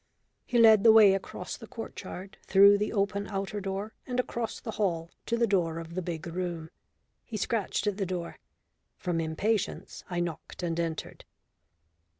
He led the way across the court yard, through the open outer door, and across the hall to the door of the big room. He scratched at the door. From impatience I knocked and entered.